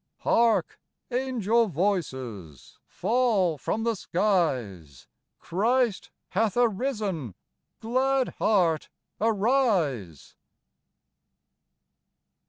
Hark ! angel voices Fall from the skies ; Christ hath arisen ! Glad heart, arise